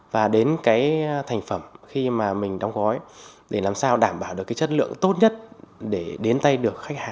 và đến cái thành phẩm khi mà mình đóng gói để làm sao đảm bảo được cái chất lượng tốt nhất để đến tay được khách hàng